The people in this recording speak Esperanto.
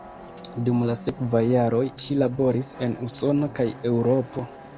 Dum la sekvaj jaroj ŝi laboris en Usono kaj Eŭropo.